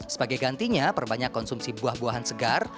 sebagai gantinya perbanyak konsumsi buah buahan segar